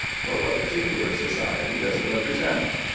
But what particular society does it represent?"